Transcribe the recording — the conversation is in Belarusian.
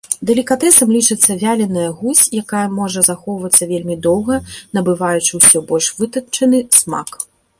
Далікатэсам лічыцца вяленая гусь, якая можа захоўвацца вельмі доўга, набываючы ўсё больш вытанчаны смак.